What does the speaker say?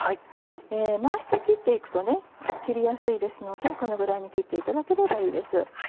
回して切っていくと切りやすいですのでこのぐらいに切っていただければいいです。